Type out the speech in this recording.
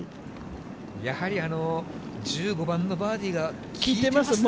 やはり１５番のバーディーが効いてますね。